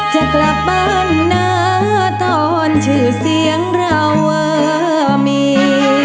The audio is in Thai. จะกลับบ้านนะตอนชื่อเสียงเราว่ามี